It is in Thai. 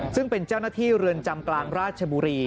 ซึ่งเป็นเจ้าหน้าที่เรือนจำกลางราชบุรี